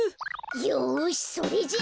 よしそれじゃあ。